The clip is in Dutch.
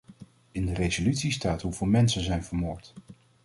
In de resolutie staat hoeveel mensen zijn vermoord.